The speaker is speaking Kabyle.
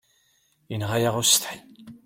Inɣa-yaɣ usetḥi.